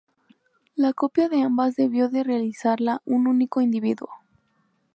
La copia de ambas debió de realizarla un único individuo.